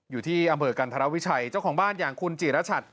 อยู่ที่อำเภอกันธรวิชัยเจ้าของบ้านอย่างคุณจิรชัด